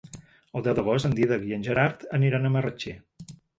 El deu d'agost en Dídac i en Gerard aniran a Marratxí.